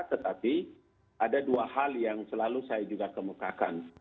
tetapi ada dua hal yang selalu saya juga kemukakan